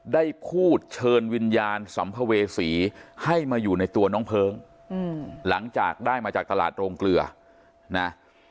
ได้พูดเชิญวิญญาณสัมภเวษีให้มาอยู่ในตัวน้องเพลิงหลังจากได้มาจากตลาดโรงเกลือนะ